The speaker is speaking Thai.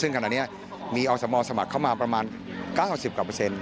ซึ่งขณะนี้มีอสมสมัครเข้ามาประมาณ๙๐กว่าเปอร์เซ็นต